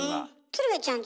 鶴瓶ちゃん